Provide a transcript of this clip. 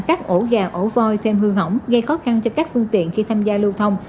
các ổ gà ổ voi thêm hư hỏng gây khó khăn cho các phương tiện khi tham gia lưu thông